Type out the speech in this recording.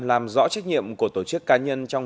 làm rõ trách nhiệm của tổ chức cá nhân